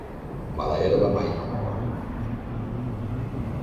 Mala herba mai no mor.